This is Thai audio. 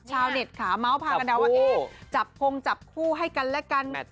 ชาวเน็ตขาม้าวพากันดัวว่าเอ๊ะจับพงจับคู่ให้กันและกัน